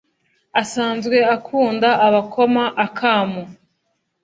Asanzwe akunda abakoma akamu